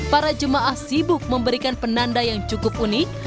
para jemaah sibuk memberikan penanda yang cukup unik